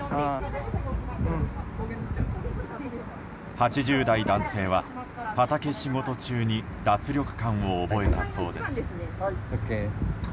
８０代男性は、畑仕事中に脱力感を覚えたそうです。